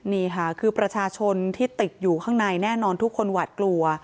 นี่ค่ะคือประชาชนที่ติดอยู่ข้างในแน่นอนทุกคนหวาดกลัว